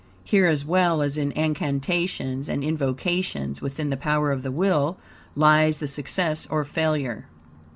Here, as well as in incantations and invocations, within the power of the will, lies the success or failure.